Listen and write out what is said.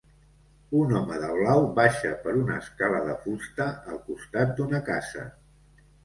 Un home de blau baixa per una escala de fusta al costat d'una casa.